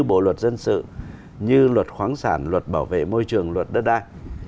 bộ luật dân sự như luật khoáng sản luật bảo vệ môi trường luật đất đai